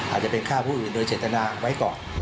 อาจจะเป็นฆ่าผู้อื่นโดยเจตนาไว้ก่อน